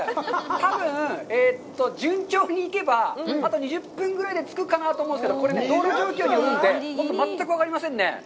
多分、順調に行けば、あと２０分ぐらいで着くかなと思うんですけど、これね、道路状況によるので、全く分かりませんね。